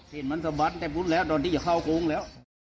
เห็นมันสะบัดแต่พุทธแล้วตอนที่จะเข้าโกงแล้ว